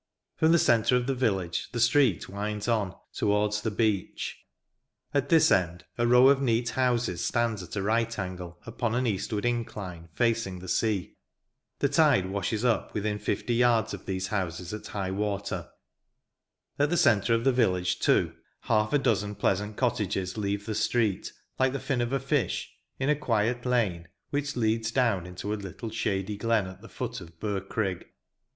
From the centre of the village the street winds on, towards the beach. At this end a row of neat houses stands at a right angle, upon an eastward incline, facing the sea. The tide washes up within fifty yards of these houses at high water. At the centre of the village, too, half a dozen pleasant cottages leave the street, and stand out, like the fin of a fish, in a quiet lane, which leads down into a little shady glen at the foot of Birkrigg.